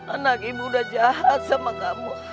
anak ibu udah jahat sama kamu